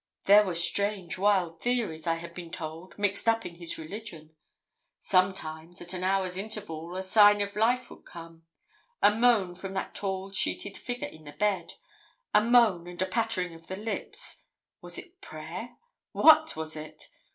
There were strange wild theories, I had been told, mixed up in his religion. Sometimes, at an hour's interval, a sign of life would come a moan from that tall sheeted figure in the bed a moan and a pattering of the lips. Was it prayer what was it?